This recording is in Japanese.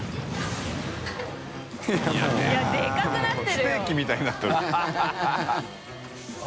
ステーキみたいになってるハハハ